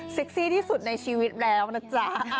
ซี่ที่สุดในชีวิตแล้วนะจ๊ะ